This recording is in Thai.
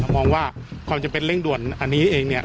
มองว่าความจำเป็นเร่งด่วนอันนี้เองเนี่ย